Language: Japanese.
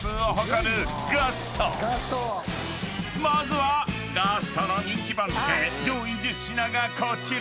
［まずはガストの人気番付上位１０品がこちら］